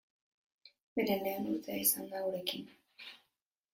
Beren lehen urtea izan da gurekin.